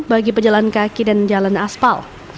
bagi pejalan kaki dan jalan aspal